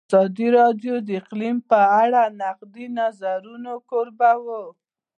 ازادي راډیو د اقلیم په اړه د نقدي نظرونو کوربه وه.